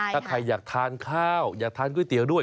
ถ้าใครอยากทานข้าวอยากทานก๋วยเตี๋ยวด้วย